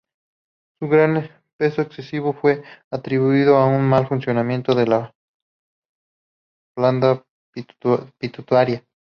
Su gran peso excesivo fue atribuido a un mal funcionamiento de la glándula pituitaria.